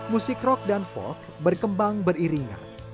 musik rock dan folk berkembang beriringan